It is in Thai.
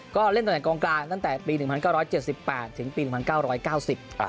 ก็เล่นตั้งแต่กองกลางตั้งแต่ปี๑๙๗๘ถึงปี๑๙๙๐